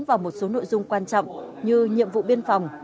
các nội dung quan trọng như nhiệm vụ biên phòng